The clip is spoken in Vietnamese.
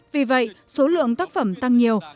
vì vậy số lượng tác phẩm tăng nhiều